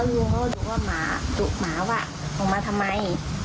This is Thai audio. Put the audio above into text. แล้วลุงเขาดุว่าหมาดุหมาว่ะออกมาทำไม